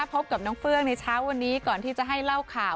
พบกับน้องเฟื่องในเช้าวันนี้ก่อนที่จะให้เล่าข่าว